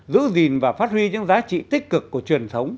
giữ gìn và phát huy những giá trị tích cực của truyền thống